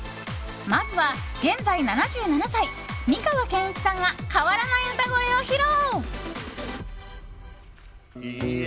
まずは、現在７７歳美川憲一さんが変わらない歌声を披露。